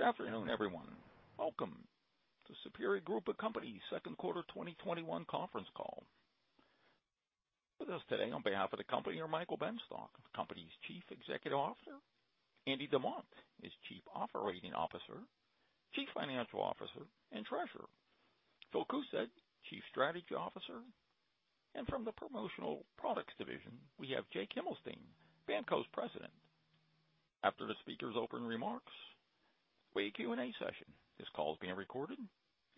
Good afternoon, everyone. Welcome to Superior Group of Companies' second quarter 2021 conference call. With us today on behalf of the company are Michael Benstock, the company's Chief Executive Officer, Andrew D. DeMott, Jr. is Chief Operating Officer, Chief Financial Officer, and Treasurer. Phil Koosed, Chief Strategy Officer, and from the Promotional Products division, we have Jake Himelstein, BAMKO's President. After the speakers' open remarks, we have a Q&A session. This call is being recorded,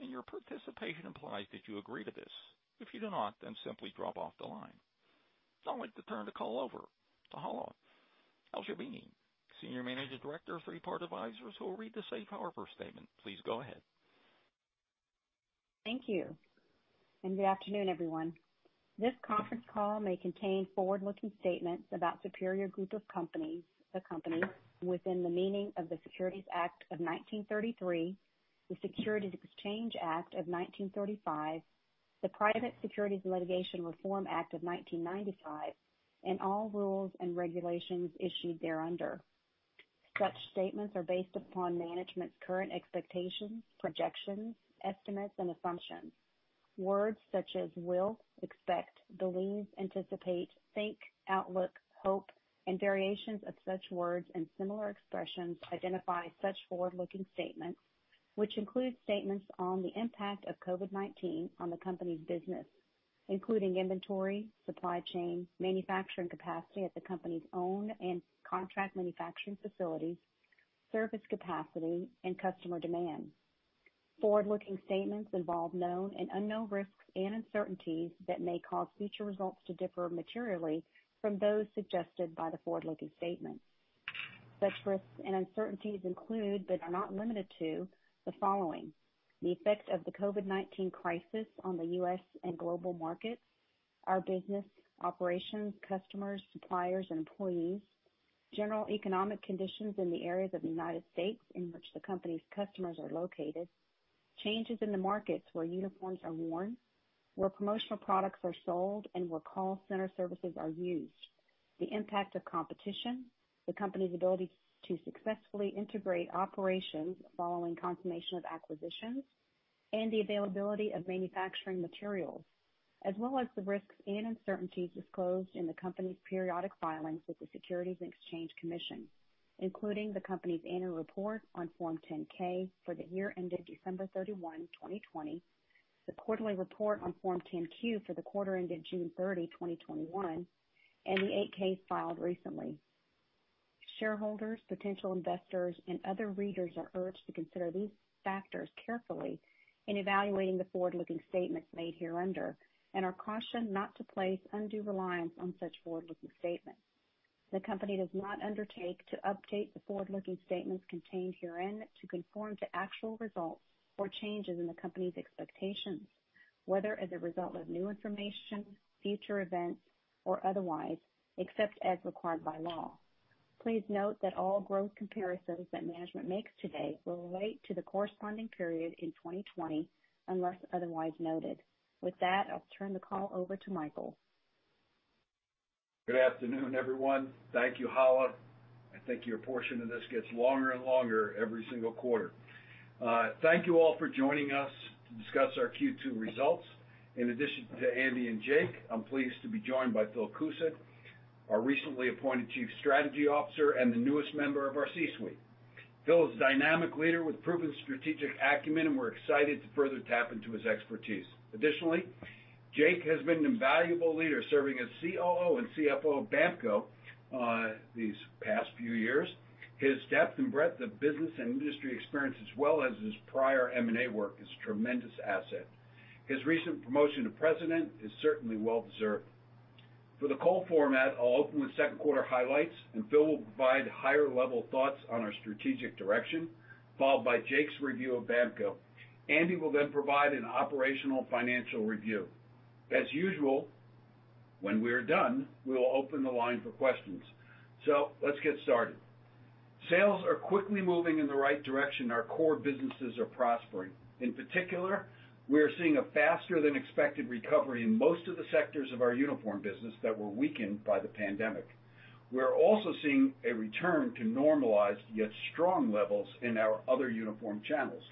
and your participation implies that you agree to this. If you do not, then simply drop off the line. I'd like to turn the call over to Hala Elsherbini, Senior Managing Director of Three Part Advisors, who will read the safe harbor statement. Please go ahead. Thank you. Good afternoon, everyone. This conference call may contain forward-looking statements about Superior Group of Companies, the company, within the meaning of the Securities Act of 1933, the Securities Exchange Act of 1934, the Private Securities Litigation Reform Act of 1995, and all rules and regulations issued thereunder. Such statements are based upon management's current expectations, projections, estimates, and assumptions. Words such as will, expect, believe, anticipate, think, outlook, hope, and variations of such words and similar expressions identify such forward-looking statements, which include statements on the impact of COVID-19 on the company's business, including inventory, supply chain, manufacturing capacity at the company's own and contract manufacturing facilities, service capacity, and customer demand. Forward-looking statements involve known and unknown risks and uncertainties that may cause future results to differ materially from those suggested by the forward-looking statements. Such risks and uncertainties include, but are not limited to, the following. The effect of the COVID-19 crisis on the U.S. and global markets, our business operations, customers, suppliers, and employees, general economic conditions in the areas of the United States in which the company's customers are located, changes in the markets where uniforms are worn, where promotional products are sold, and where call center services are used, the impact of competition, the company's ability to successfully integrate operations following consummation of acquisitions, and the availability of manufacturing materials, as well as the risks and uncertainties disclosed in the company's periodic filings with the Securities and Exchange Commission, including the company's annual report on Form 10-K for the year ended December 31, 2020, the quarterly report on Form 10-Q for the quarter ended June 30, 2021, and the 8-K filed recently. Shareholders, potential investors and other readers are urged to consider these factors carefully in evaluating the forward-looking statements made hereunder and are cautioned not to place undue reliance on such forward-looking statements. The company does not undertake to update the forward-looking statements contained herein to conform to actual results or changes in the company's expectations, whether as a result of new information, future events, or otherwise, except as required by law. Please note that all growth comparisons that management makes today will relate to the corresponding period in 2020, unless otherwise noted. With that, I'll turn the call over to Michael. Good afternoon, everyone. Thank you, Hala. I think your portion of this gets longer and longer every single quarter. Thank you all for joining us to discuss our Q2 results. In addition to Andy and Jake, I'm pleased to be joined by Phil Koosed, our recently appointed Chief Strategy Officer and the newest member of our C-suite. Phil is a dynamic leader with proven strategic acumen, and we're excited to further tap into his expertise. Additionally, Jake has been an invaluable leader, serving as COO and CFO of BAMKO these past few years. His depth and breadth of business and industry experience, as well as his prior M&A work, is a tremendous asset. His recent promotion to President is certainly well-deserved. For the call format, I'll open with second quarter highlights, and Phil will provide higher level thoughts on our strategic direction, followed by Jake's review of BAMKO. Andy will then provide an operational financial review. As usual, when we're done, we will open the line for questions. Let's get started. Sales are quickly moving in the right direction. Our core businesses are prospering. In particular, we are seeing a faster than expected recovery in most of the sectors of our uniform business that were weakened by the pandemic. We're also seeing a return to normalized, yet strong levels in our other uniform channels.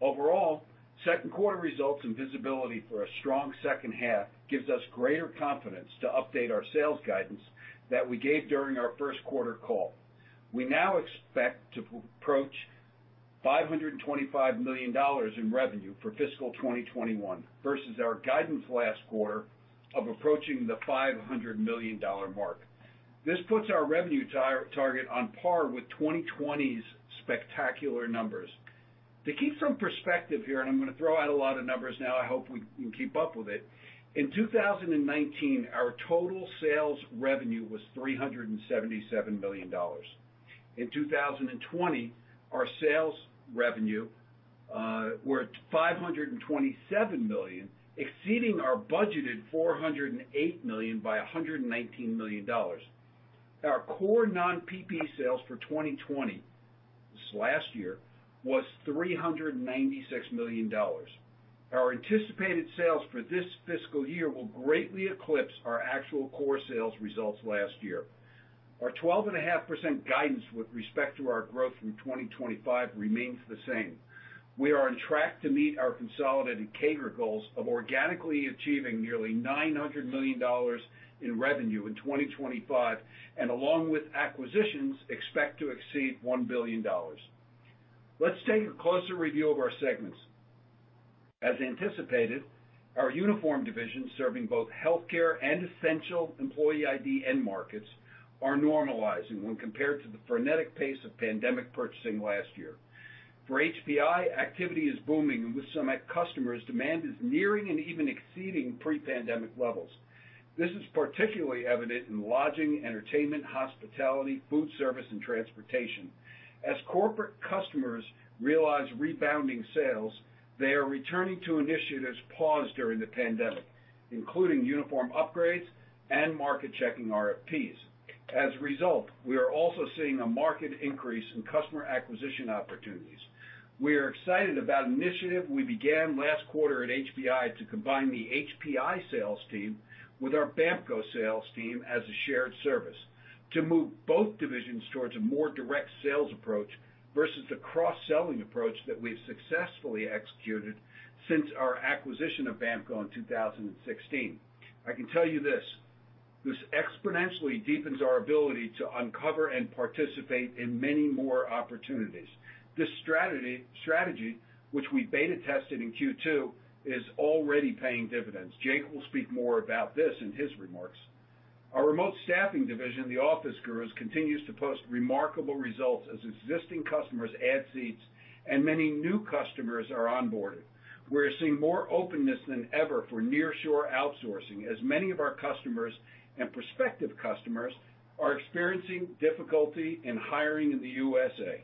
Overall, second quarter results and visibility for a strong second half gives us greater confidence to update our sales guidance that we gave during our first quarter call. We now expect to approach $525 million in revenue for fiscal 2021, versus our guidance last quarter of approaching the $500 million mark. This puts our revenue target on par with 2020's spectacular numbers. To keep some perspective here, I'm going to throw out a lot of numbers now, I hope we can keep up with it. In 2019, our total sales revenue was $377 million. In 2020, our sales revenue were at $527 million, exceeding our budgeted $408 million by $119 million. Our core non-PPE sales for 2020, this last year, was $396 million. Our anticipated sales for this fiscal year will greatly eclipse our actual core sales results last year. Our 12.5% guidance with respect to our growth through 2025 remains the same. We are on track to meet our consolidated CAGR goals of organically achieving nearly $900 million in revenue in 2025, and along with acquisitions, expect to exceed $1 billion. Let's take a closer review of our segments. As anticipated, our uniform division serving both healthcare and essential employee ID end markets are normalizing when compared to the frenetic pace of pandemic purchasing last year. For HPI, activity is booming, and with some customers, demand is nearing and even exceeding pre-pandemic levels. This is particularly evident in lodging, entertainment, hospitality, food service, and transportation. As corporate customers realize rebounding sales, they are returning to initiatives paused during the pandemic, including uniform upgrades and market checking RFPs. As a result, we are also seeing a marked increase in customer acquisition opportunities. We are excited about an initiative we began last quarter at HPI to combine the HPI sales team with our BAMKO sales team as a shared service to move both divisions towards a more direct sales approach versus the cross-selling approach that we've successfully executed since our acquisition of BAMKO in 2016. I can tell you this exponentially deepens our ability to uncover and participate in many more opportunities. This strategy, which we beta tested in Q2, is already paying dividends. Jake will speak more about this in his remarks. Our remote staffing division, The Office Gurus, continues to post remarkable results as existing customers add seats and many new customers are onboarded. We're seeing more openness than ever for nearshore outsourcing, as many of our customers and prospective customers are experiencing difficulty in hiring in the USA.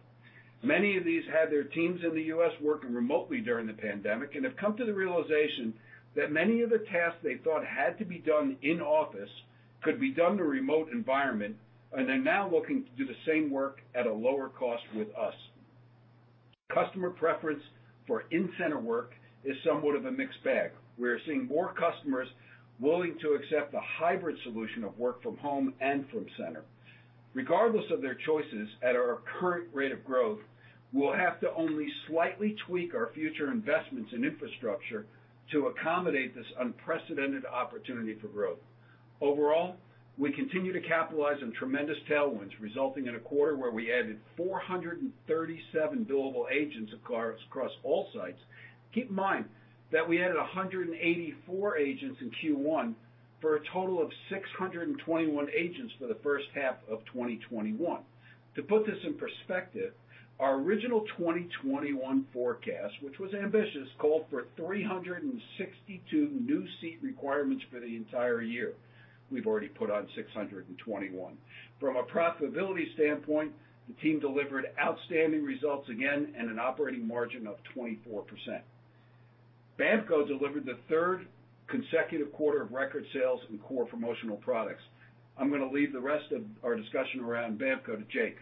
Many of these had their teams in the U.S. working remotely during the pandemic and have come to the realization that many of the tasks they thought had to be done in office could be done in a remote environment, and they're now looking to do the same work at a lower cost with us. Customer preference for in-center work is somewhat of a mixed bag. We're seeing more customers willing to accept a hybrid solution of work from home and from center. Regardless of their choices, at our current rate of growth, we'll have to only slightly tweak our future investments in infrastructure to accommodate this unprecedented opportunity for growth. Overall, we continue to capitalize on tremendous tailwinds, resulting in a quarter where we added 437 billable agents across all sites. Keep in mind that we added 184 agents in Q1 for a total of 621 agents for the first half of 2021. To put this in perspective, our original 2021 forecast, which was ambitious, called for 362 new seat requirements for the entire year. We've already put on 621. From a profitability standpoint, the team delivered outstanding results again and an operating margin of 24%. BAMKO delivered the third consecutive quarter of record sales in core promotional products. I'm going to leave the rest of our discussion around BAMKO to Jake.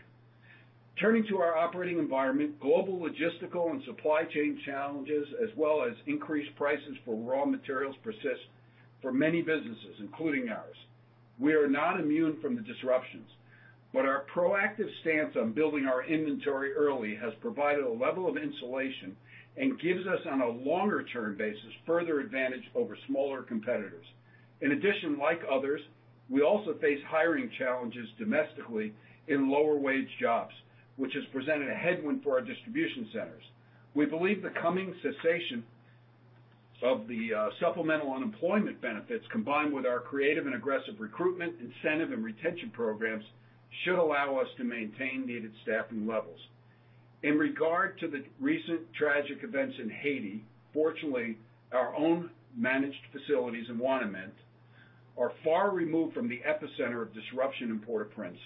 Turning to our operating environment, global logistical and supply chain challenges, as well as increased prices for raw materials persist for many businesses, including ours. Our proactive stance on building our inventory early has provided a level of insulation and gives us, on a longer-term basis, further advantage over smaller competitors. In addition, like others, we also face hiring challenges domestically in lower-wage jobs, which has presented a headwind for our distribution centers. We believe the coming cessation of the supplemental unemployment benefits, combined with our creative and aggressive recruitment incentive and retention programs, should allow us to maintain needed staffing levels. In regard to the recent tragic events in Haiti, fortunately, our own managed facilities in Ouanaminthe are far removed from the epicenter of disruption in Port-au-Prince.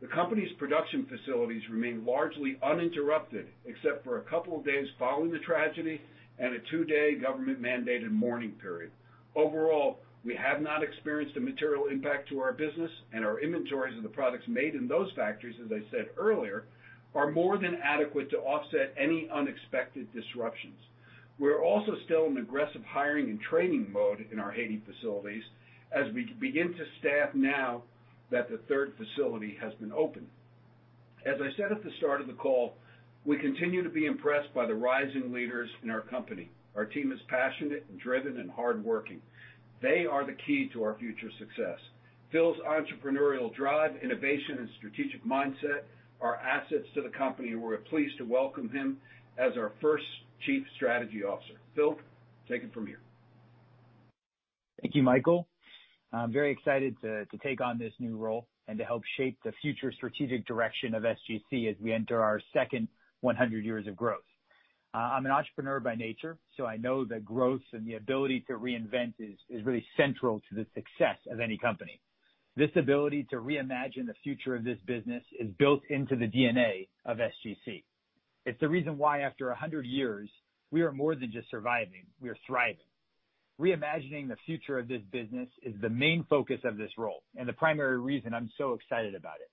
The company's production facilities remain largely uninterrupted, except for a couple of days following the tragedy and a two-day government-mandated mourning period. Overall, we have not experienced a material impact to our business, and our inventories of the products made in those factories, as I said earlier, are more than adequate to offset any unexpected disruptions. We're also still in aggressive hiring and training mode in our Haiti facilities as we begin to staff now that the third facility has been opened. As I said at the start of the call, we continue to be impressed by the rising leaders in our company. Our team is passionate, driven, and hardworking. They are the key to our future success. Phil's entrepreneurial drive, innovation, and strategic mindset are assets to the company, and we're pleased to welcome him as our first Chief Strategy Officer. Phil, take it from here. Thank you, Michael. I'm very excited to take on this new role and to help shape the future strategic direction of SGC as we enter our second 100 years of growth. I'm an entrepreneur by nature, so I know that growth and the ability to reinvent is really central to the success of any company. This ability to reimagine the future of this business is built into the DNA of SGC. It's the reason why after 100 years, we are more than just surviving, we are thriving. Reimagining the future of this business is the main focus of this role and the primary reason I'm so excited about it.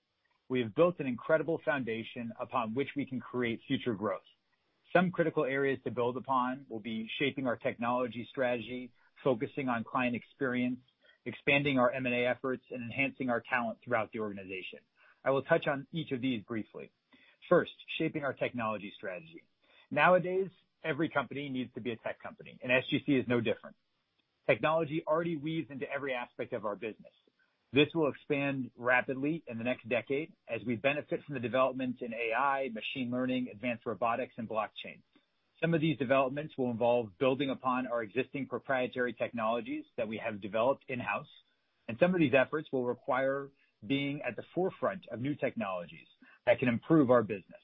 We have built an incredible foundation upon which we can create future growth. Some critical areas to build upon will be shaping our technology strategy, focusing on client experience, expanding our M&A efforts, and enhancing our talent throughout the organization. I will touch on each of these briefly. First, shaping our technology strategy. Nowadays, every company needs to be a tech company, and SGC is no different. Technology already weaves into every aspect of our business. This will expand rapidly in the next decade as we benefit from the developments in AI, machine learning, advanced robotics, and blockchain. Some of these developments will involve building upon our existing proprietary technologies that we have developed in-house, and some of these efforts will require being at the forefront of new technologies that can improve our business.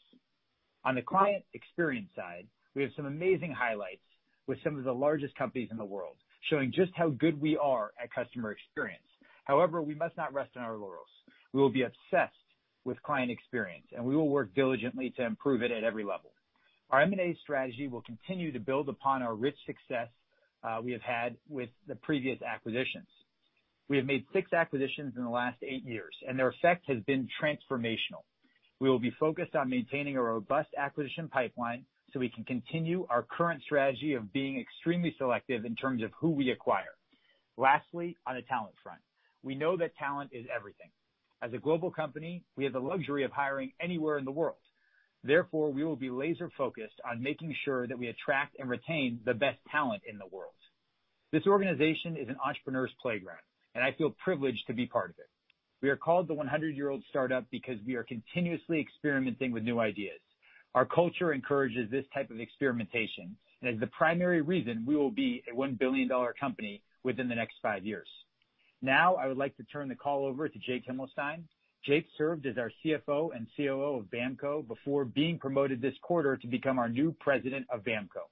On the client experience side, we have some amazing highlights with some of the largest companies in the world, showing just how good we are at customer experience. However, we must not rest on our laurels. We will be obsessed with client experience, and we will work diligently to improve it at every level. Our M&A strategy will continue to build upon our rich success we have had with the previous acquisitions. We have made six acquisitions in the last eight years, and their effect has been transformational. We will be focused on maintaining a robust acquisition pipeline so we can continue our current strategy of being extremely selective in terms of who we acquire. Lastly, on the talent front. We know that talent is everything. As a global company, we have the luxury of hiring anywhere in the world. Therefore, we will be laser-focused on making sure that we attract and retain the best talent in the world. This organization is an entrepreneur's playground, and I feel privileged to be part of it. We are called the 100-year-old startup because we are continuously experimenting with new ideas. Our culture encourages this type of experimentation and is the primary reason we will be a $1 billion company within the next five years. Now, I would like to turn the call over to Jake Himelstein. Jake served as our CFO and COO of BAMKO before being promoted this quarter to become our new President of BAMKO.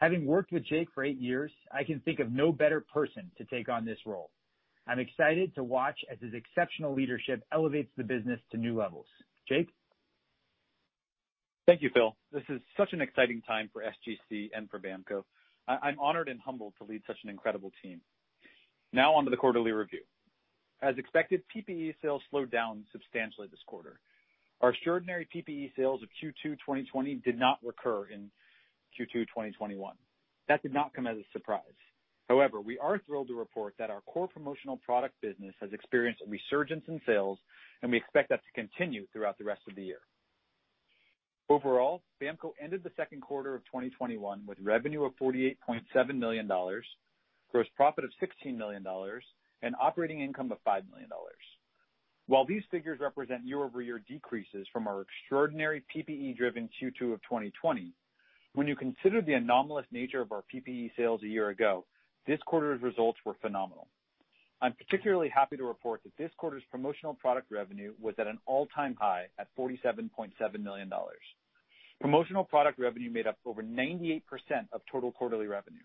Having worked with Jake for 8 years, I can think of no better person to take on this role. I'm excited to watch as his exceptional leadership elevates the business to new levels. Jake? Thank you, Phil. This is such an exciting time for SGC and for BAMKO. I'm honored and humbled to lead such an incredible team. On to the quarterly review. As expected, PPE sales slowed down substantially this quarter. Our extraordinary PPE sales of Q2 2020 did not recur in Q2 2021. That did not come as a surprise. We are thrilled to report that our core promotional product business has experienced a resurgence in sales, and we expect that to continue throughout the rest of the year. BAMKO ended the second quarter of 2021 with revenue of $48.7 million, gross profit of $16 million, and operating income of $5 million. These figures represent year-over-year decreases from our extraordinary PPE-driven Q2 of 2020, when you consider the anomalous nature of our PPE sales a year ago, this quarter's results were phenomenal. I'm particularly happy to report that this quarter's promotional product revenue was at an all-time high at $47.7 million. Promotional product revenue made up over 98% of total quarterly revenue.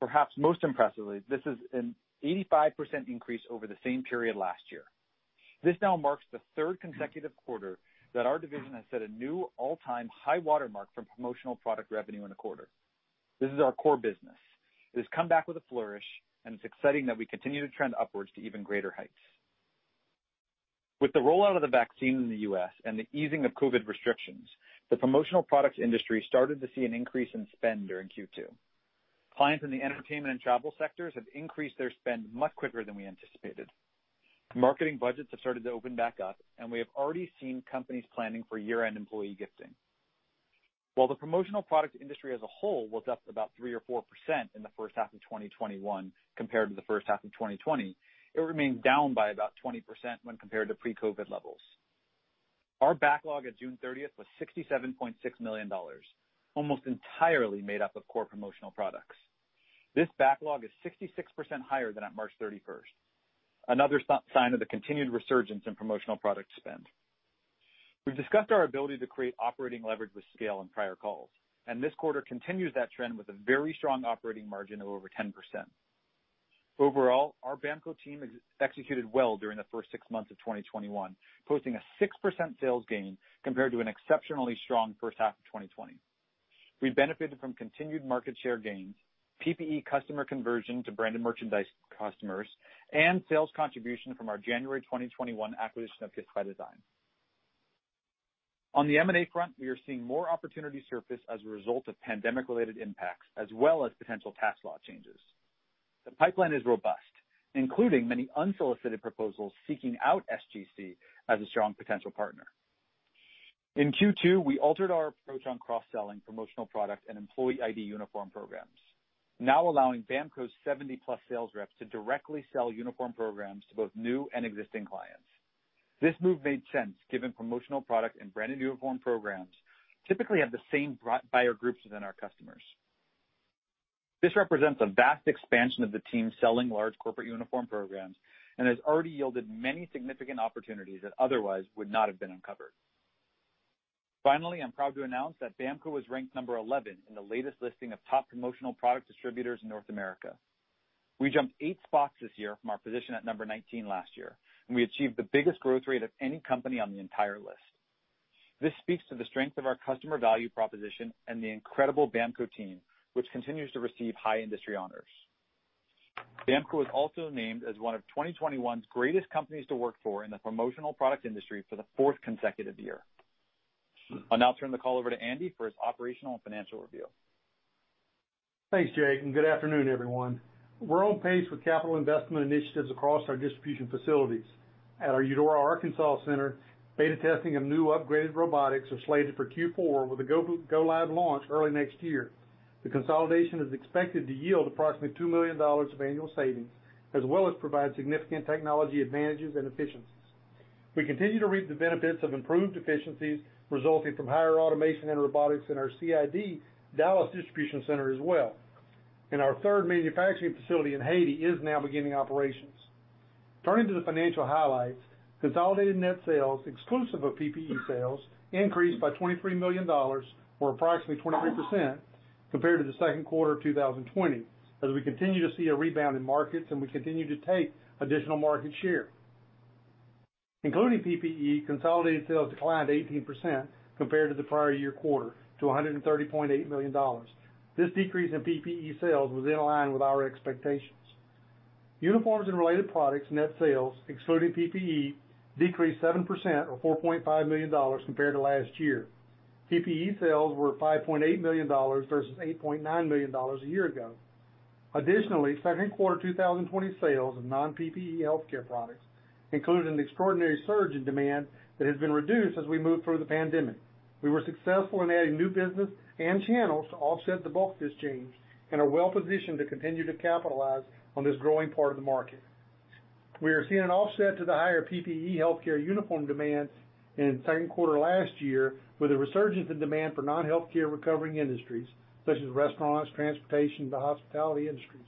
Perhaps most impressively, this is an 85% increase over the same period last year. This now marks the third consecutive quarter that our division has set a new all-time high watermark for promotional product revenue in a quarter. This is our core business. It has come back with a flourish, and it's exciting that we continue to trend upwards to even greater heights. With the rollout of the vaccine in the U.S. and the easing of COVID-19 restrictions, the promotional products industry started to see an increase in spend during Q2. Clients in the entertainment and travel sectors have increased their spend much quicker than we anticipated. Marketing budgets have started to open back up, and we have already seen companies planning for year-end employee gifting. While the promotional product industry as a whole was up about 3% or 4% in the first half of 2021 compared to the first half of 2020, it remained down by about 20% when compared to pre-COVID levels. Our backlog at June 30th was $67.6 million, almost entirely made up of core promotional products. This backlog is 66% higher than at March 31st, another sign of the continued resurgence in promotional product spend. We've discussed our ability to create operating leverage with scale on prior calls, and this quarter continues that trend with a very strong operating margin of over 10%. Overall, our BAMKO team executed well during the first six months of 2021, posting a 6% sales gain compared to an exceptionally strong first half of 2020. We benefited from continued market share gains, PPE customer conversion to branded merchandise customers, and sales contribution from our January 2021 acquisition of Gifts By Design. On the M&A front, we are seeing more opportunities surface as a result of pandemic-related impacts as well as potential tax law changes. The pipeline is robust, including many unsolicited proposals seeking out SGC as a strong potential partner. In Q2, we altered our approach on cross-selling promotional product and employee ID uniform programs, now allowing BAMKO's 70-plus sales reps to directly sell uniform programs to both new and existing clients. This move made sense given promotional product and branded uniform programs typically have the same buyer groups within our customers. This represents a vast expansion of the team selling large corporate uniform programs and has already yielded many significant opportunities that otherwise would not have been uncovered. Finally, I'm proud to announce that BAMKO was ranked number 11 in the latest listing of top promotional product distributors in North America. We jumped eight spots this year from our position at number 19 last year, and we achieved the biggest growth rate of any company on the entire list. This speaks to the strength of our customer value proposition and the incredible BAMKO team, which continues to receive high industry honors. BAMKO was also named as one of 2021's greatest companies to work for in the promotional product industry for the fourth consecutive year. I'll now turn the call over to Andy for his operational and financial review. Thanks, Jake, good afternoon, everyone. We're on pace with capital investment initiatives across our distribution facilities. At our Eudora, Arkansas center, beta testing of new upgraded robotics are slated for Q4, with a go-live launch early next year. The consolidation is expected to yield approximately $2 million of annual savings, as well as provide significant technology advantages and efficiencies. We continue to reap the benefits of improved efficiencies resulting from higher automation and robotics in our CID Dallas distribution center as well. Our third manufacturing facility in Haiti is now beginning operations. Turning to the financial highlights, consolidated net sales exclusive of PPE sales increased by $23 million, or approximately 23%, compared to the second quarter of 2020, as we continue to see a rebound in markets and we continue to take additional market share. Including PPE, consolidated sales declined 18% compared to the prior year quarter to $130.8 million. This decrease in PPE sales was in line with our expectations. Uniforms and related products net sales, excluding PPE, decreased seven%, or $4.5 million compared to last year. PPE sales were $5.8 million versus $8.9 million a year ago. Additionally, second quarter 2020 sales of non-PPE healthcare products included an extraordinary surge in demand that has been reduced as we moved through the pandemic. We were successful in adding new business and channels to offset the bulk of this change, and are well positioned to continue to capitalize on this growing part of the market. We are seeing an offset to the higher PPE healthcare uniform demand in the second quarter last year, with a resurgence in demand for non-healthcare recovering industries, such as restaurants, transportation, and the hospitality industries.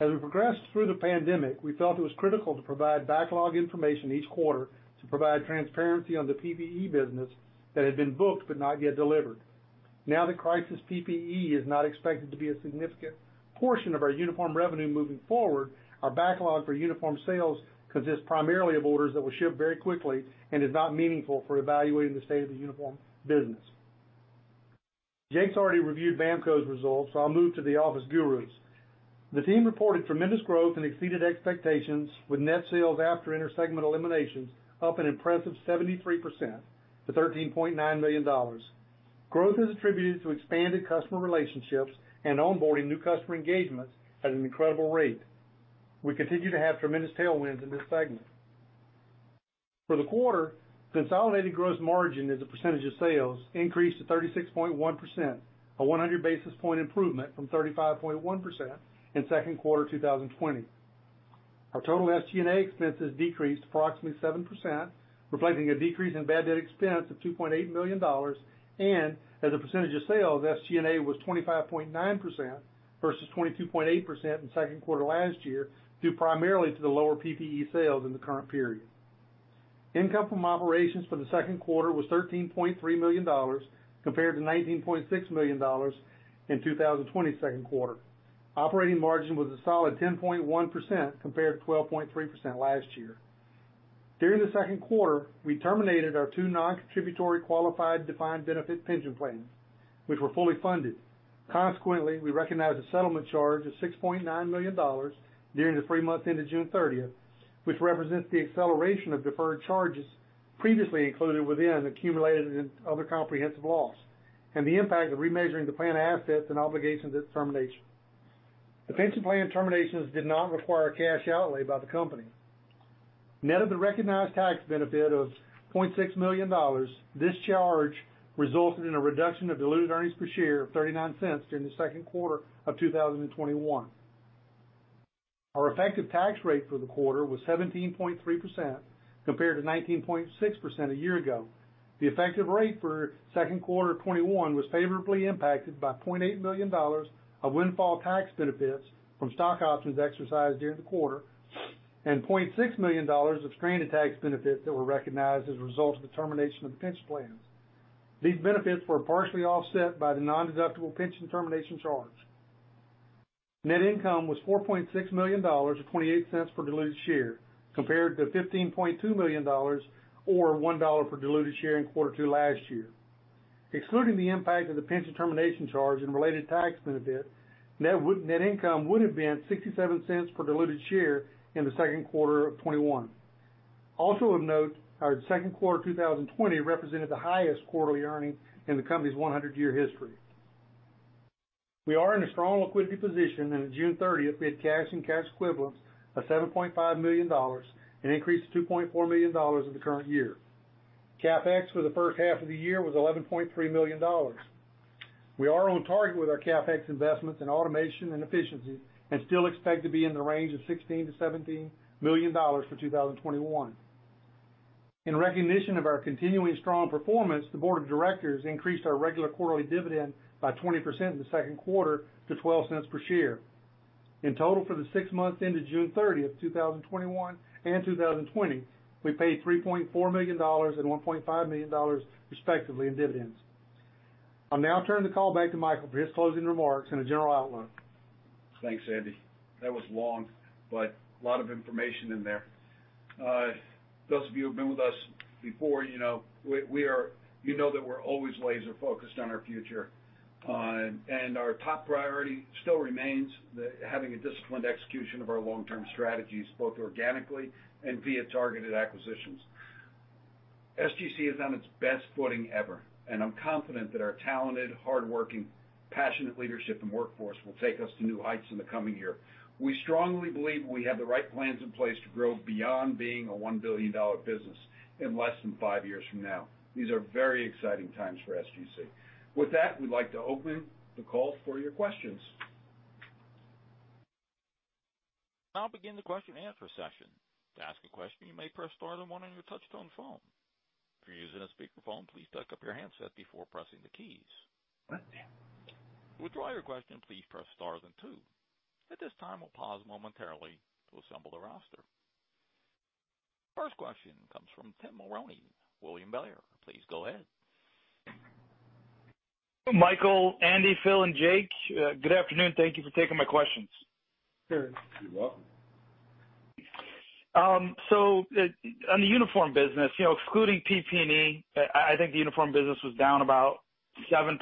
As we progressed through the pandemic, we felt it was critical to provide backlog information each quarter to provide transparency on the PPE business that had been booked but not yet delivered. Now that crisis PPE is not expected to be a significant portion of our uniform revenue moving forward, our backlog for uniform sales consists primarily of orders that will ship very quickly and is not meaningful for evaluating the state of the uniform business. Jake's already reviewed BAMKO's results, so I'll move to The Office Gurus. The team reported tremendous growth and exceeded expectations with net sales after intersegment eliminations up an impressive 73% to $13.9 million. Growth is attributed to expanded customer relationships and onboarding new customer engagements at an incredible rate. We continue to have tremendous tailwinds in this segment. For the quarter, consolidated gross margin as a percentage of sales increased to 36.1%, a 100 basis point improvement from 35.1% in second quarter 2020. Our total SG&A expenses decreased approximately 7%, reflecting a decrease in bad debt expense of $2.8 million. As a percentage of sales, SG&A was 25.9% versus 22.8% in the second quarter last year, due primarily to the lower PPE sales in the current period. Income from operations for the second quarter was $13.3 million compared to $19.6 million in 2020's second quarter. Operating margin was a solid 10.1% compared to 12.3% last year. During the second quarter, we terminated our two non-contributory qualified defined benefit pension plans, which were fully funded. Consequently, we recognized a settlement charge of $6.9 million during the three months ended June 30th, which represents the acceleration of deferred charges previously included within accumulated and other comprehensive loss, and the impact of remeasuring the plan assets and obligations at termination. The pension plan terminations did not require cash outlay by the company. Net of the recognized tax benefit of $0.6 million, this charge resulted in a reduction of diluted earnings per share of $0.39 during the second quarter of 2021. Our effective tax rate for the quarter was 17.3% compared to 19.6% a year ago. The effective rate for second quarter 2021 was favorably impacted by $0.8 million of windfall tax benefits from stock options exercised during the quarter, and $0.6 million of stranded tax benefits that were recognized as a result of the termination of the pension plans. These benefits were partially offset by the non-deductible pension termination charge. Net income was $4.6 million, or $0.28 per diluted share, compared to $15.2 million, or $1 per diluted share in Q2 last year. Excluding the impact of the pension termination charge and related tax benefit, net income would have been $0.67 per diluted share in Q2 2021. Of note, our Q2 2020 represented the highest quarterly earning in the company's 100-year history. We are in a strong liquidity position, and at June 30, we had cash and cash equivalents of $7.5 million, an increase of $2.4 million in the current year. CapEx for the first half of the year was $11.3 million. We are on target with our CapEx investments in automation and efficiency and still expect to be in the range of $16 million-$17 million for 2021. In recognition of our continuing strong performance, the board of directors increased our regular quarterly dividend by 20% in the second quarter to $0.12 per share. In total, for the six months ended June 30th, 2021 and 2020, we paid $3.4 million and $1.5 million, respectively, in dividends. I'll now turn the call back to Michael for his closing remarks and a general outlook. Thanks, Andy. That was long, but a lot of information in there. Those of you who've been with us before, you know that we're always laser focused on our future. Our top priority still remains having a disciplined execution of our long-term strategies, both organically and via targeted acquisitions. SGC is on its best footing ever, and I'm confident that our talented, hardworking, passionate leadership and workforce will take us to new heights in the coming year. We strongly believe we have the right plans in place to grow beyond being a $1 billion business in less than five years from now. These are very exciting times for SGC. With that, we'd like to open the call for your questions. I'll begin the question and answer session. To ask a question, you may press star then one on your touchtone phone. If you're using a speakerphone, please duck up your handset before pressing the keys. To withdraw your question, please press star then two. At this time, we'll pause momentarily to assemble the roster. First question comes from Tim Mulrooney, William Blair. Please go ahead. Michael, Andy, Phil, and Jake, good afternoon. Thank Thank you for taking my questions. Sure. You're welcome. On the uniform business, excluding PPE, I think the uniform business was down about 7%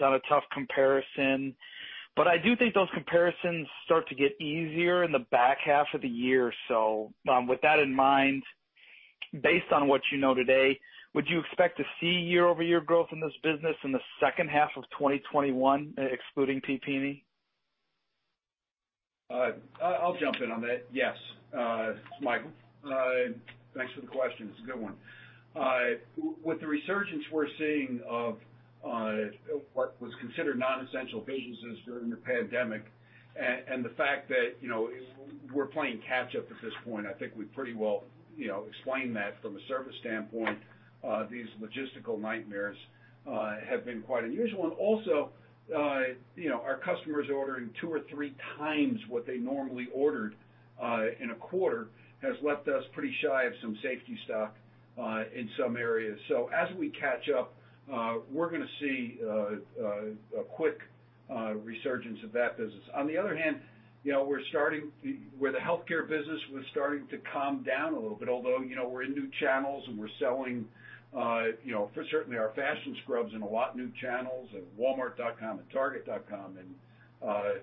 on a tough comparison. I do think those comparisons start to get easier in the back half of the year. With that in mind, based on what you know today, would you expect to see year-over-year growth in this business in the second half of 2021, excluding PPE? I'll jump in on that. Yes. It's Michael. Thanks for the question. It's a good one. With the resurgence we're seeing of what was considered non-essential businesses during the pandemic, and the fact that we're playing catch up at this point, I think we've pretty well explained that from a service standpoint. These logistical nightmares have been quite unusual. Also, our customers ordering two or three times what they normally ordered in a quarter has left us pretty shy of some safety stock in some areas. As we catch up, we're going to see a quick resurgence of that business. On the other hand, where the healthcare business was starting to calm down a little bit, although we're in new channels and we're selling certainly our fashion scrubs in a lot of new channels, at Walmart.com and Target.com and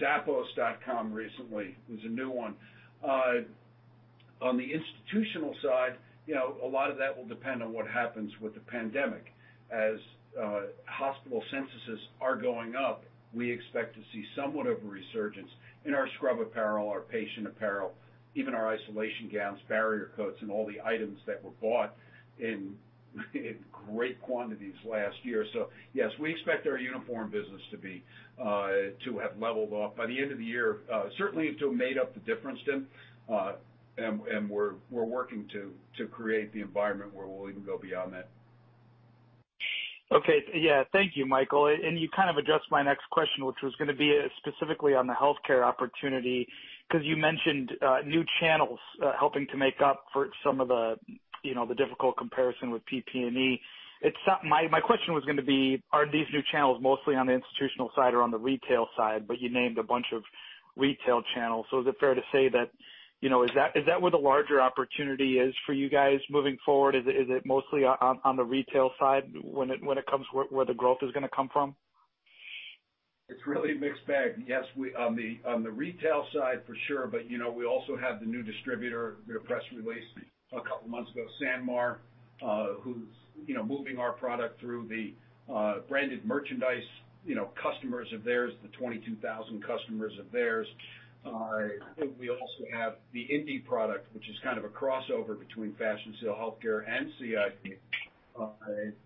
Zappos.com recently was a new one. On the institutional side, a lot of that will depend on what happens with the pandemic. As hospital censuses are going up, we expect to see somewhat of a resurgence in our scrub apparel, our patient apparel, even our isolation gowns, barrier coats, and all the items that were bought in great quantities last year. Yes, we expect our uniform business to have leveled off by the end of the year, certainly to have made up the difference, Tim, and we're working to create the environment where we'll even go beyond that. Okay. Yeah. Thank you, Michael. You kind of addressed my next question, which was going to be specifically on the healthcare opportunity, because you mentioned new channels helping to make up for some of the difficult comparison with PPE. My question was going to be, are these new channels mostly on the institutional side or on the retail side, but you named a bunch of retail channels. Is it fair to say that, is that where the larger opportunity is for you guys moving forward? Is it mostly on the retail side when it comes where the growth is going to come from? It's really a mixed bag. Yes, on the retail side for sure, but we also have the new distributor, their press release a couple of months ago, SanMar, who's moving our product through the branded merchandise customers of theirs, the 22,000 customers of theirs. I think we also have the Indy product, which is kind of a crossover between Fashion Seal Healthcare and CID,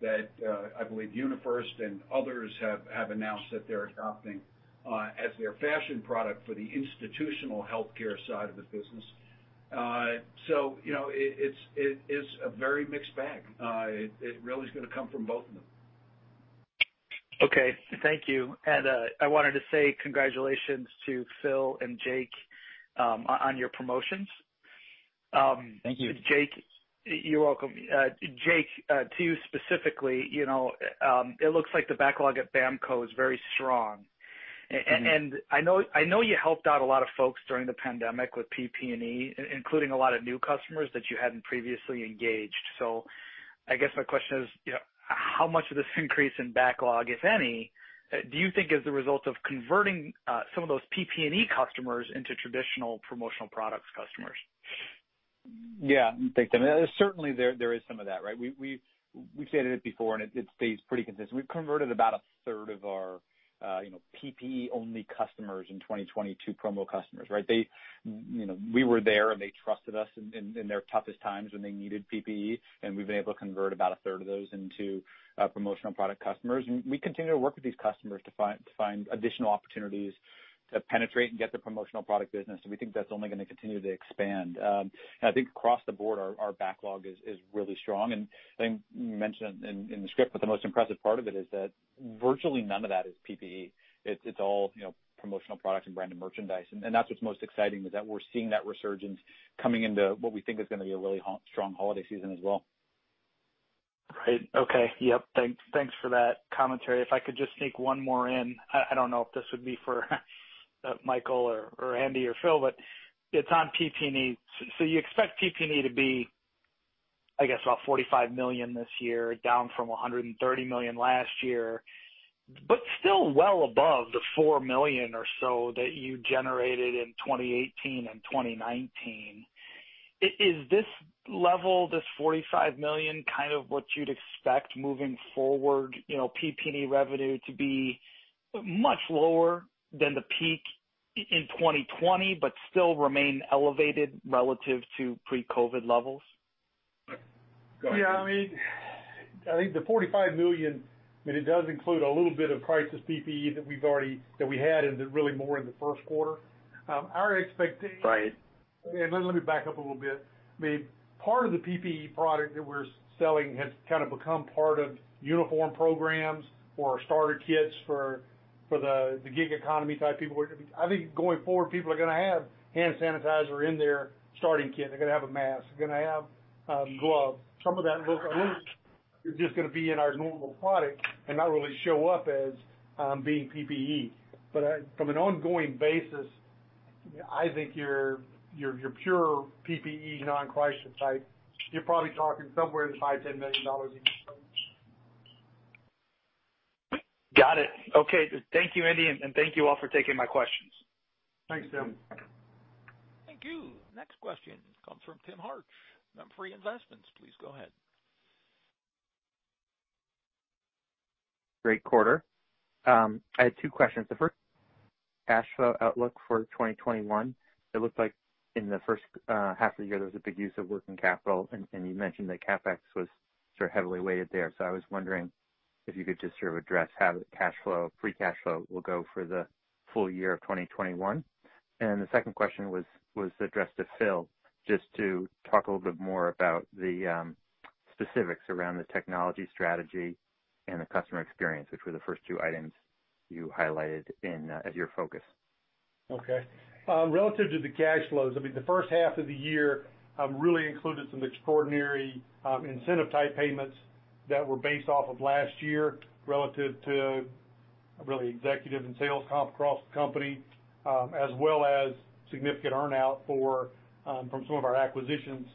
that I believe UniFirst and others have announced that they're adopting as their fashion product for the institutional healthcare side of the business. It's a very mixed bag. It really is going to come from both of them. Okay. Thank you. I wanted to say congratulations to Phil and Jake on your promotions. Thank you. You're welcome. Jake, to you specifically, it looks like the backlog at BAMKO is very strong. I know you helped out a lot of folks during the pandemic with PPE, including a lot of new customers that you hadn't previously engaged. I guess my question is, how much of this increase in backlog, if any, do you think is the result of converting some of those PPE customers into traditional promotional products customers? Thanks, Tim. Certainly, there is some of that, right? We've stated it before, and it stays pretty consistent. We've converted about a third of our PPE only customers in 2020 to promo customers, right? We were there, and they trusted us in their toughest times when they needed PPE, and we've been able to convert about a third of those into promotional product customers. We continue to work with these customers to find additional opportunities to penetrate and get the promotional product business. We think that's only going to continue to expand. I think across the board, our backlog is really strong. I think we mentioned in the script, the most impressive part of it is that virtually none of that is PPE. It's all promotional products and branded merchandise. That's what's most exciting is that we're seeing that resurgence coming into what we think is going to be a really strong holiday season as well. Right. Okay. Yep. Thanks for that commentary. If I could just sneak one more in. I don't know if this would be for Michael or Andy or Phil, but it's on PPE. You expect PPE to be, I guess, about $45 million this year, down from $130 million last year, but still well above the $4 million or so that you generated in 2018 and 2019. Is this level, this $45 million, kind of what you'd expect moving forward, PPE revenue to be much lower than the peak in 2020, but still remain elevated relative to pre-COVID-19 levels? Yeah. I think the $45 million, it does include a little bit of crisis PPE that we had in really more in the first quarter. Right Let me back up a little bit. Part of the PPE product that we're selling has kind of become part of uniform programs or starter kits for the gig economy type people. I think going forward, people are going to have hand sanitizer in their starting kit. They're going to have a mask. They're going to have gloves. Some of that is just going to be in our normal product and not really show up as being PPE. But from an ongoing basis, I think your pure PPE non-crisis type, you're probably talking somewhere in the $5 million-$10 million range. Got it. Okay. Thank you, Andy, and thank you all for taking my questions. Thanks, Tim. Thank you. Next question comes from Tim Hartch, Memphre Investments. Please go ahead. Great quarter. I had two questions. The first, cash flow outlook for 2021. It looked like in the first half of the year, there was a big use of working capital, and you mentioned that CapEx was sort of heavily weighted there. I was wondering if you could just sort of address how the cash flow, free cash flow, will go for the full year of 2021. The second question was addressed to Phil, just to talk a little bit more about the specifics around the technology strategy and the customer experience, which were the first two items you highlighted as your focus. Relative to the cash flows, the first half of the year really included some extraordinary incentive type payments that were based off of last year relative to really executive and sales comp across the company as well as significant earn-out from some of our acquisitions,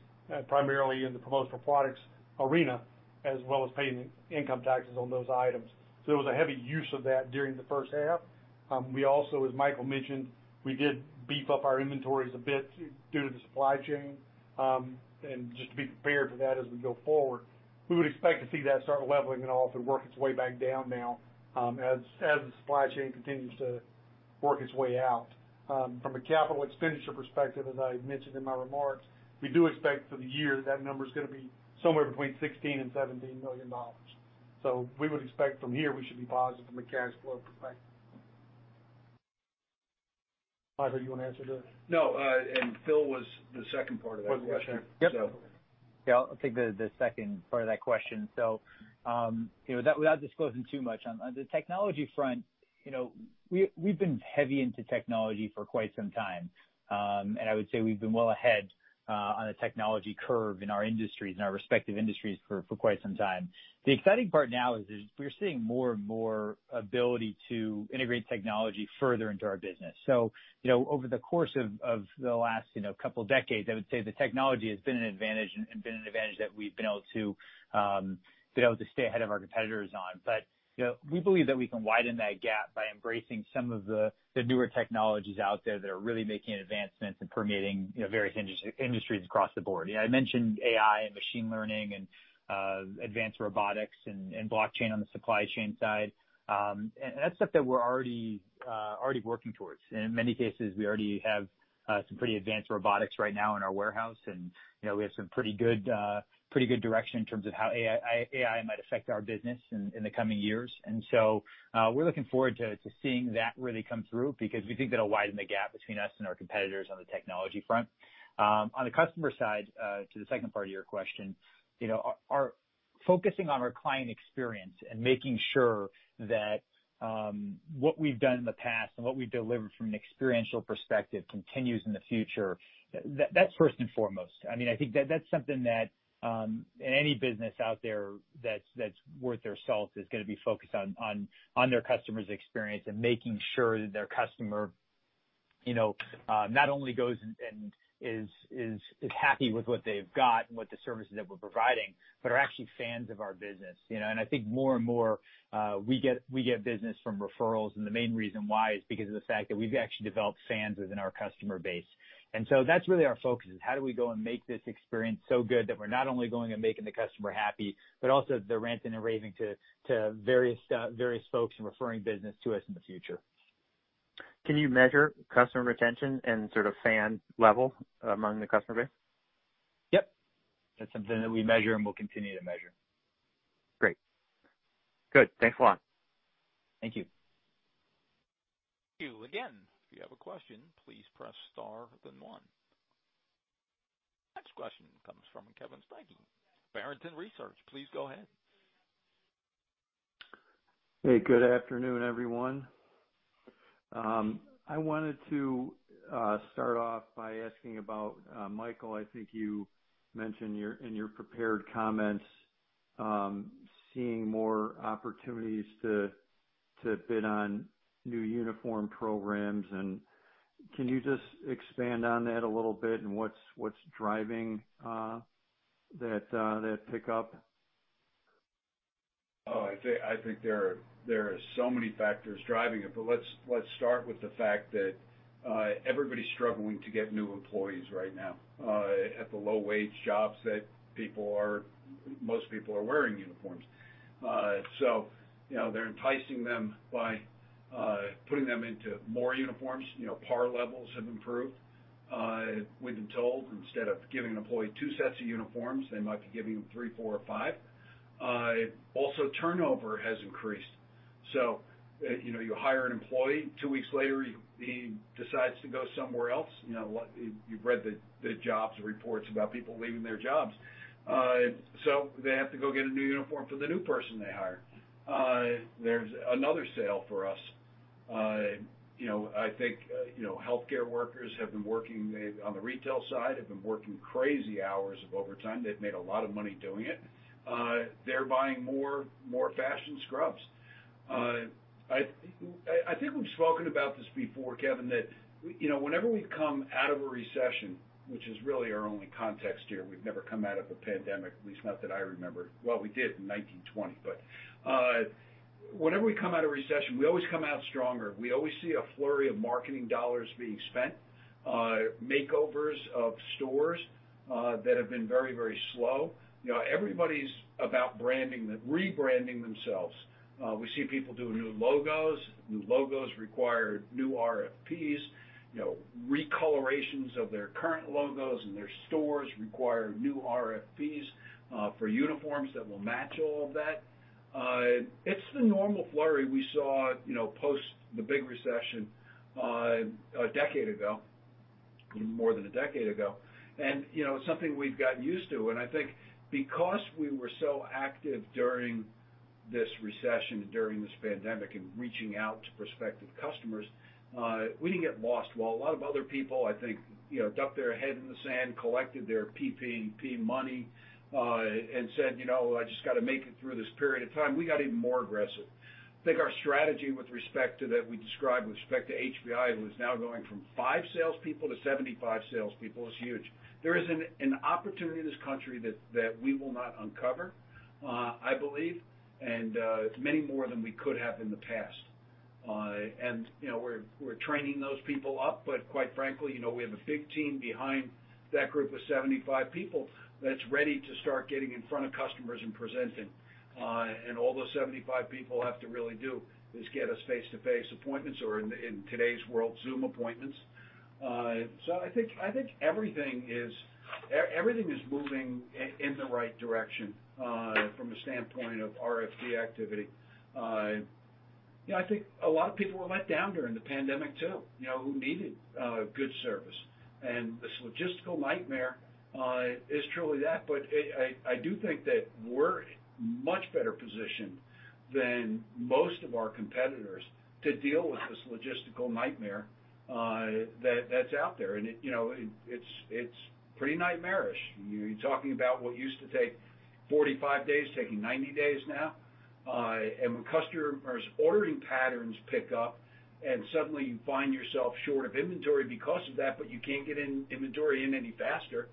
primarily in the promotional products arena, as well as paying income taxes on those items. There was a heavy use of that during the first half. We also, as Michael mentioned, we did beef up our inventories a bit due to the supply chain, and just to be prepared for that as we go forward. We would expect to see that start leveling off and work its way back down now as the supply chain continues to work its way out. From a capital expenditure perspective, as I mentioned in my remarks, we do expect for the year that number's going to be somewhere between $16 million-$17 million. We would expect from here we should be positive from a cash flow perspective. Michael, you want to answer that? No, Phil was the second part of that question. Oh, the second. Yep. Yeah, I'll take the second part of that question. Without disclosing too much, on the technology front, we've been heavy into technology for quite some time, and I would say we've been well ahead on the technology curve in our respective industries for quite some time. The exciting part now is we're seeing more and more ability to integrate technology further into our business. Over the course of the last couple of decades, I would say the technology has been an advantage and been an advantage that we've been able to stay ahead of our competitors on. We believe that we can widen that gap by embracing some of the newer technologies out there that are really making advancements and permeating various industries across the board. I mentioned AI and machine learning and advanced robotics and blockchain on the supply chain side. That's stuff that we're already working towards. In many cases, we already have some pretty advanced robotics right now in our warehouse, and we have some pretty good direction in terms of how AI might affect our business in the coming years. We're looking forward to seeing that really come through because we think that'll widen the gap between us and our competitors on the technology front. On the customer side, to the second part of your question, focusing on our client experience and making sure that what we've done in the past and what we've delivered from an experiential perspective continues in the future, that's first and foremost. I think that's something that any business out there that's worth their salt is going to be focused on their customer's experience and making sure that their customer not only goes and is happy with what they've got and with the services that we're providing, but are actually fans of our business. I think more and more, we get business from referrals, and the main reason why is because of the fact that we've actually developed fans within our customer base. That's really our focus, is how do we go and make this experience so good that we're not only going and making the customer happy, but also they're ranting and raving to various folks and referring business to us in the future. Can you measure customer retention and sort of fan level among the customer base? Yep. That's something that we measure and will continue to measure. Great. Good. Thanks a lot. Thank you. Thank you. Again, if you have a question, please press star, then one. Next question comes from Kevin Steinke, Barrington Research. Please go ahead. Hey, good afternoon, everyone. I wanted to start off by asking about, Michael, I think you mentioned in your prepared comments, seeing more opportunities to bid on new uniform programs. Can you just expand on that a little bit and what's driving that pickup? I think there are so many factors driving it. Let's start with the fact that everybody's struggling to get new employees right now at the low-wage jobs that most people are wearing uniforms. They're enticing them by putting them into more uniforms. Par levels have improved. We've been told instead of giving an employee two sets of uniforms, they might be giving them three, four, or five. Also, turnover has increased. You hire an employee, two weeks later, he decides to go somewhere else. You've read the jobs reports about people leaving their jobs. They have to go get a new uniform for the new person they hire. There's another sale for us. I think, healthcare workers have been working on the retail side, have been working crazy hours of overtime. They've made a lot of money doing it. They're buying more fashion scrubs. I think we've spoken about this before, Kevin, that whenever we come out of a recession, which is really our only context here, we've never come out of a pandemic, at least not that I remember. Well, we did in 1920, but whenever we come out of recession, we always come out stronger. We always see a flurry of marketing dollars being spent, makeovers of stores that have been very slow. Everybody's about rebranding themselves. We see people doing new logos. New logos require new RFPs. Recolorations of their current logos and their stores require new RFPs for uniforms that will match all of that. It's the normal flurry we saw post the big recession a decade ago, more than a decade ago. It's something we've gotten used to, and I think because we were so active during this recession, during this pandemic, and reaching out to prospective customers, we didn't get lost while a lot of other people, I think, ducked their head in the sand, collected their PPP money, and said, "I just got to make it through this period of time." We got even more aggressive. I think our strategy with respect to that we described with respect to HPI, who is now going from five salespeople to 75 salespeople, is huge. There isn't an opportunity in this country that we will not uncover, I believe, and it's many more than we could have in the past. We're training those people up, but quite frankly, we have a big team behind that group of 75 people that's ready to start getting in front of customers and presenting. All those 75 people have to really do is get us face-to-face appointments or in today's world, Zoom appointments. I think everything is moving in the right direction from a standpoint of RFP activity. I think a lot of people were let down during the pandemic, too, who needed good service. This logistical nightmare is truly that. I do think that we're much better positioned than most of our competitors to deal with this logistical nightmare that's out there. It's pretty nightmarish. You're talking about what used to take 45 days taking 90 days now, and when customers' ordering patterns pick up and suddenly you find yourself short of inventory because of that, but you can't get inventory in any faster,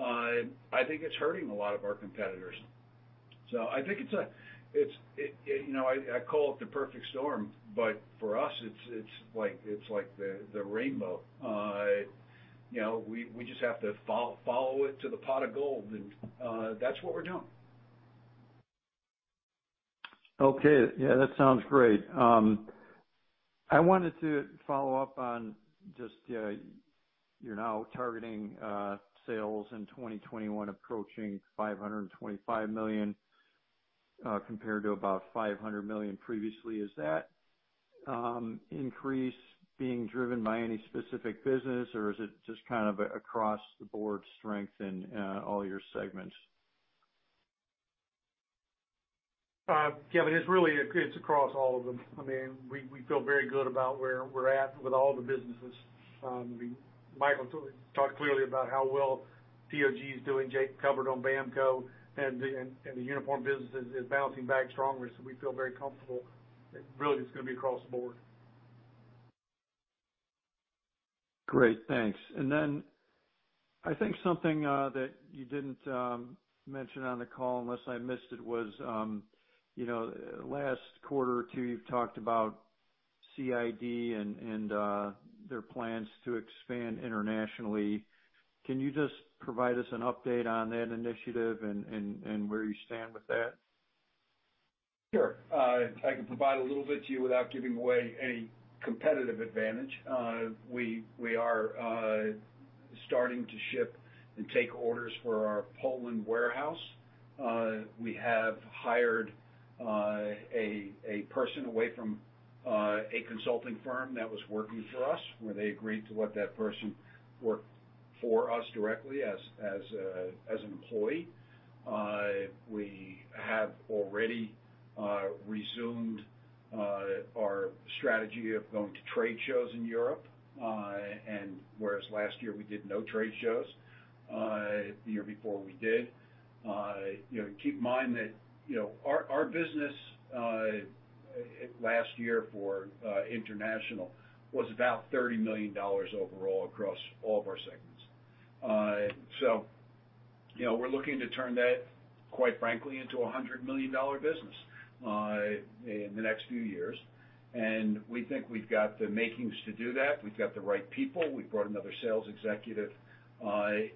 I think it's hurting a lot of our competitors. I call it the perfect storm, but for us, it's like the rainbow. We just have to follow it to the pot of gold, and that's what we're doing. Okay. Yeah, that sounds great. I wanted to follow up on just, you're now targeting sales in 2021 approaching $525 million, compared to about $500 million previously. Is that increase being driven by any specific business, or is it just kind of across the board strength in all your segments? Kevin, it's across all of them. We feel very good about where we're at with all the businesses. Michael talked clearly about how well TOG is doing. Jake covered on BAMKO, and the uniform business is bouncing back strongly, so we feel very comfortable that really it's going to be across the board. Great, thanks. I think something that you didn't mention on the call, unless I missed it, was last quarter or two, you've talked about CID and their plans to expand internationally. Can you just provide us an update on that initiative and where you stand with that? Sure. I can provide a little bit to you without giving away any competitive advantage. We are starting to ship and take orders for our Poland warehouse. We have hired a person away from a consulting firm that was working for us, where they agreed to let that person work for us directly as an employee. We have already resumed our strategy of going to trade shows in Europe, whereas last year we did no trade shows. The year before we did. Keep in mind that our business last year for international was about $30 million overall across all of our segments. We're looking to turn that, quite frankly, into a $100 million business in the next few years. We think we've got the makings to do that. We've got the right people. We've brought another sales executive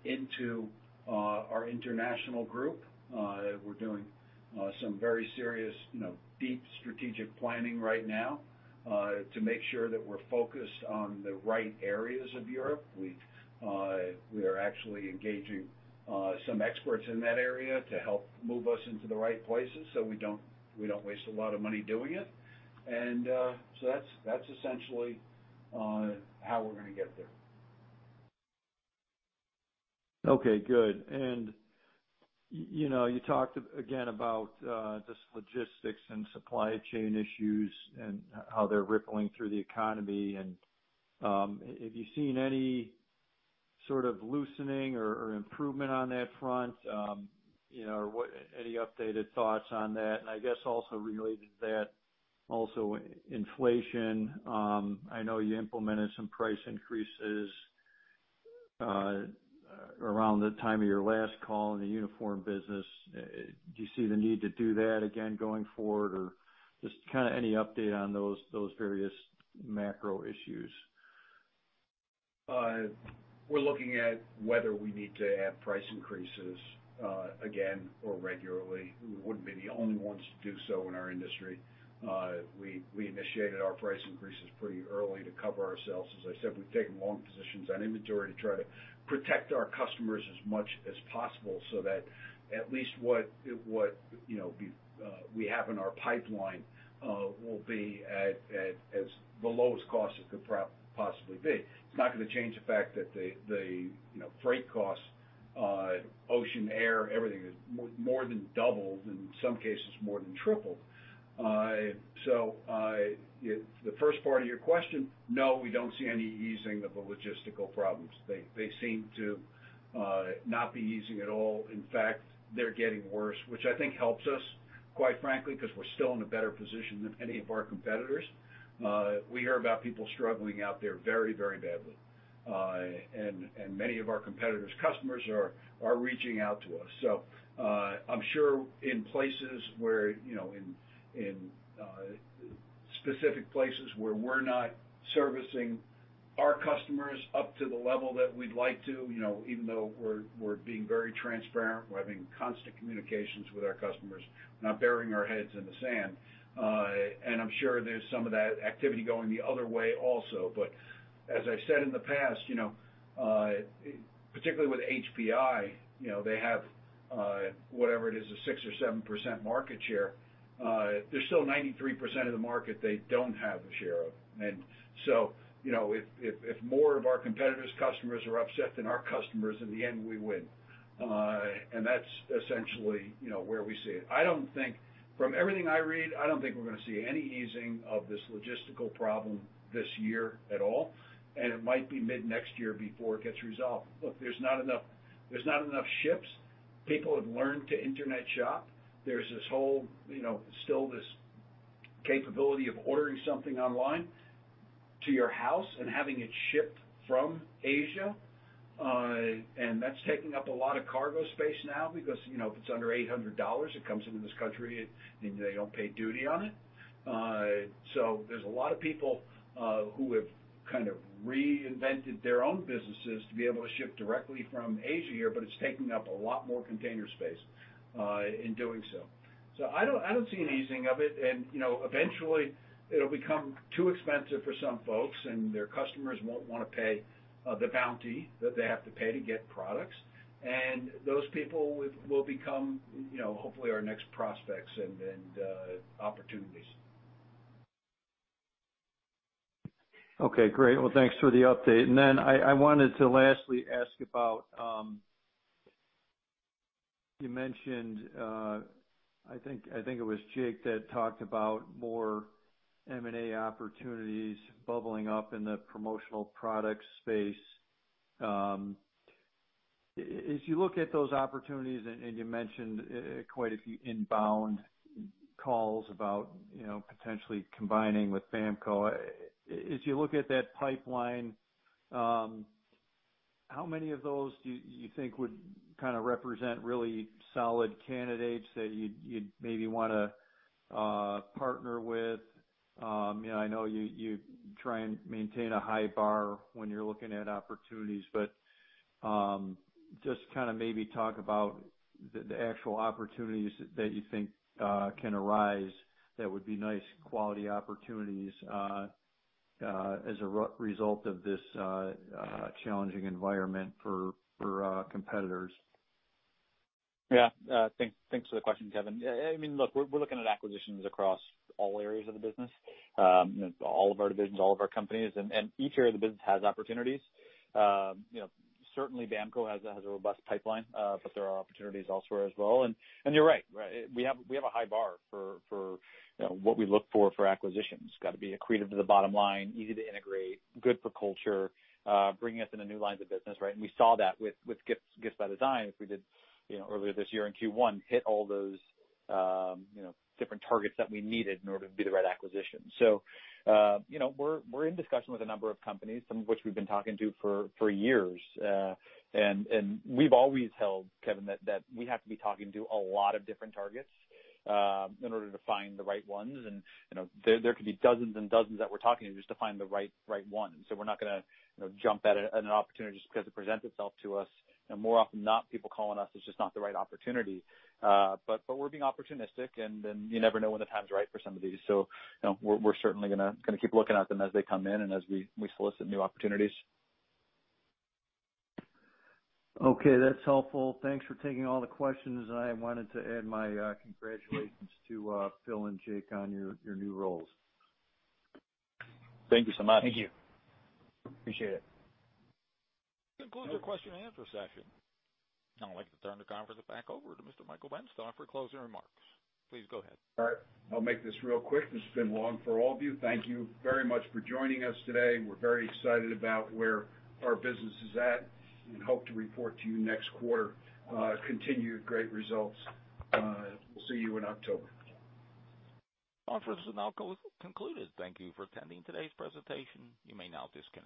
into our international group. We're doing some very serious, deep strategic planning right now to make sure that we're focused on the right areas of Europe. We are actually engaging some experts in that area to help move us into the right places so we don't waste a lot of money doing it. That's essentially how we're going to get there. Okay, good. You talked again about just logistics and supply chain issues and how they're rippling through the economy. Have you seen any sort of loosening or improvement on that front? Any updated thoughts on that? I guess also related to that, also inflation. I know you implemented some price increases around the time of your last call in the uniform business. Do you see the need to do that again going forward? Just kind of any update on those various macro issues? We're looking at whether we need to add price increases again or regularly. We wouldn't be the only ones to do so in our industry. We initiated our price increases pretty early to cover ourselves. As I said, we've taken long positions on inventory to try to protect our customers as much as possible, so that at least what we have in our pipeline will be at the lowest cost it could possibly be. It's not going to change the fact that the freight costs, ocean, air, everything, has more than doubled, in some cases more than tripled. The first part of your question, no, we don't see any easing of the logistical problems. They seem to not be easing at all. In fact, they're getting worse, which I think helps us, quite frankly, because we're still in a better position than any of our competitors. We hear about people struggling out there very badly. Many of our competitors' customers are reaching out to us. I'm sure in specific places where we're not servicing our customers up to the level that we'd like to, even though we're being very transparent, we're having constant communications with our customers, we're not burying our heads in the sand. I'm sure there's some of that activity going the other way also. As I've said in the past, particularly with HPI, they have, whatever it is, a 6% or 7% market share. There's still 93% of the market they don't have a share of. If more of our competitors' customers are upset than our customers, in the end, we win. That's essentially where we see it. From everything I read, I don't think we're going to see any easing of this logistical problem this year at all. It might be mid next year before it gets resolved. Look, there's not enough ships. People have learned to internet shop. There's still this capability of ordering something online to your house and having it shipped from Asia. That's taking up a lot of cargo space now because, if it's under $800, it comes into this country. They don't pay duty on it. There's a lot of people who have kind of reinvented their own businesses to be able to ship directly from Asia here. It's taking up a lot more container space in doing so. I don't see an easing of it, and eventually, it'll become too expensive for some folks, and their customers won't want to pay the bounty that they have to pay to get products. Those people will become hopefully our next prospects and opportunities. Okay, great. Well, thanks for the update. Then I wanted to lastly ask about, you mentioned, I think it was Jake that talked about more M&A opportunities bubbling up in the promotional products space. As you look at those opportunities, and you mentioned quite a few inbound calls about potentially combining with BAMKO. As you look at that pipeline, how many of those do you think would kind of represent really solid candidates that you'd maybe want to partner with? I know you try and maintain a high bar when you're looking at opportunities, but just kind of maybe talk about the actual opportunities that you think can arise that would be nice quality opportunities as a result of this challenging environment for competitors. Yeah. Thanks for the question, Kevin. Look, we're looking at acquisitions across all areas of the business. All of our divisions, all of our companies, and each area of the business has opportunities. Certainly BAMKO has a robust pipeline. There are opportunities elsewhere as well. You're right. We have a high bar for what we look for acquisitions. Got to be accretive to the bottom line, easy to integrate, good for culture, bringing us into new lines of business, right? We saw that with Gifts by Design as we did earlier this year in Q1, hit all those different targets that we needed in order to be the right acquisition. We're in discussion with a number of companies, some of which we've been talking to for years. We've always held, Kevin, that we have to be talking to a lot of different targets in order to find the right ones. There could be dozens and dozens that we're talking to just to find the right one. We're not going to jump at an opportunity just because it presents itself to us. More often than not, people calling us, it's just not the right opportunity. We're being opportunistic, and you never know when the time's right for some of these. We're certainly going to keep looking at them as they come in and as we solicit new opportunities. Okay, that's helpful. Thanks for taking all the questions. I wanted to add my congratulations to Phil and Jake on your new roles. Thank you so much. Thank you. Appreciate it. This concludes our question and answer session. I'd like to turn the conference back over to Mr. Michael Benstock for closing remarks. Please go ahead. All right. I'll make this real quick. This has been long for all of you. Thank you very much for joining us today. We're very excited about where our business is at and hope to report to you next quarter continued great results. We'll see you in October. Conference is now concluded. Thank you for attending today's presentation. You may now disconnect.